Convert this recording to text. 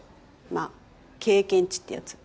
まあ経験値ってやつ。